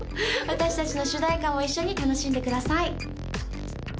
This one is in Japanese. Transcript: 私達の主題歌も一緒に楽しんでください